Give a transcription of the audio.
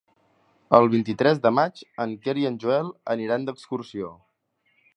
El vint-i-tres de maig en Quer i en Joel aniran d'excursió.